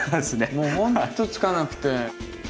もうほんとつかなくて。